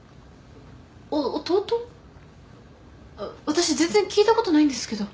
私全然聞いたことないんですけど。